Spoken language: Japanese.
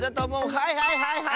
はいはいはいはい！